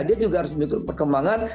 dia juga harus mengikuti perkembangan